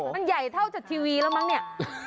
มันใหญ่เท่าจากทีวีแล้วมั้งเนี่ย